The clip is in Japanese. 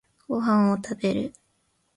ご飯を食べる